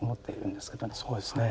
そうですね。